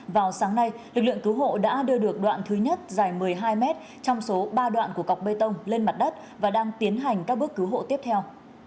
vào sáng nay lực lượng cứu hộ đã đưa được đoạn thứ nhất dài một mươi hai mét trong số ba đoạn của cọc bê tông lên mặt đất và đang tiến hành các bước cứu hộ tiếp theo